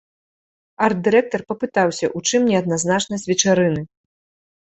Арт-дырэктар папытаўся ў чым неадназначнасць вечарыны.